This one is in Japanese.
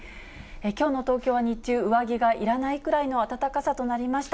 きょうの東京は日中、上着がいらないくらいの暖かさとなりました。